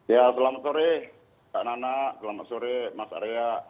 ya selamat sore mbak nana selamat sore mas arya